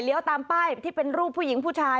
ตามป้ายที่เป็นรูปผู้หญิงผู้ชาย